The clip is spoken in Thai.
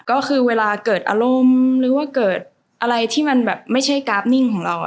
ก็คือเวลาเกิดอารมณ์หรือว่าเกิดอะไรที่มันแบบไม่ใช่กราฟนิ่งของเรา